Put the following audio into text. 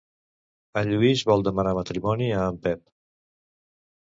En Lluís vol demanar matrimoni a en Pep.